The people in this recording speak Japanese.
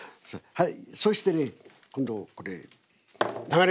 はい。